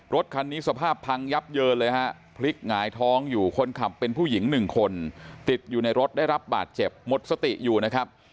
รถคันนี้สภาพพังยับเยินเลยฮะพลิกหงายท้องอยู่คนขับเป็นผู้หญิงหนึ่งคนติดอยู่ในรถได้รับบาดเจ็บหมดสติอยู่นะครับ